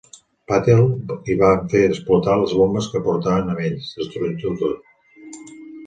Patel, i van fer explotar les bombes que portaven amb ells, destruint-ho tot.